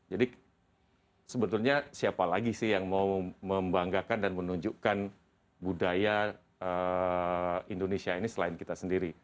jadi sebetulnya siapa lagi sih yang mau membanggakan dan menunjukkan budaya indonesia ini selain kita sendiri